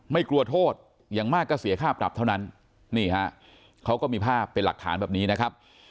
ไม่กลัวโทษอย่างมากก็เสียค่าปรับเท่านั้นนี่ฮะเขาก็มีภาพเป็นหลักฐานแบบนี้นะครับ